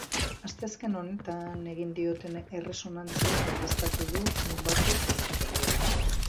Asteazken honetan egin dioten erresonantziak baieztatu du, lunbalgia zorrotza duela.